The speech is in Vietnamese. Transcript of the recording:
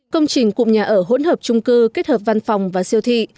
công trình cụm nhà ở hỗn hợp trung cư kết hợp văn phòng và siêu thị